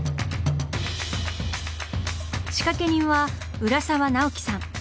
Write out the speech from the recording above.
仕掛け人は浦沢直樹さん。